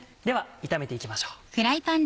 では炒めて行きましょう。